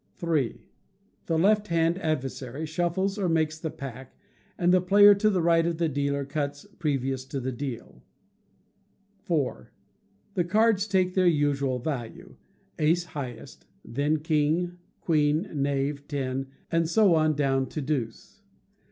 iii. The left hand adversary shuffles or makes the pack, and the player to the right of the dealer cuts previous to the deal. iv. The cards take their usual value, ace highest; then king, queen, knave, ten, and so on, down to deuce.